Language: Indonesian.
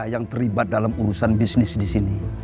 yang terlibat dalam urusan bisnis disini